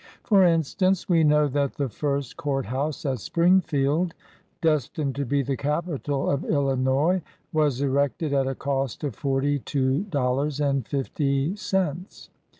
For instance, we know that the first court house at Springfield— destined to be the capital of Illinois— was erected at a cost of forty two dollars and fifty cents.